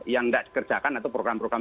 yang tidak dikerjakan atau program program